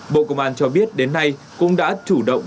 bộ công an cho biết đến nay cũng đã chủ động bố trí các công dân